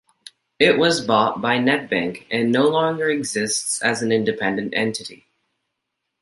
It was bought by Nedbank, and no longer exists as an independent entity.